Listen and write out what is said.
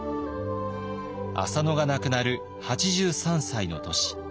浅野が亡くなる８３歳の年。